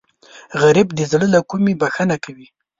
غریب د زړه له کومې بښنه کوي